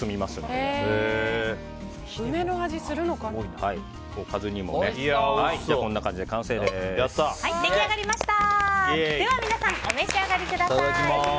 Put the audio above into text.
では皆さんお召し上がりください。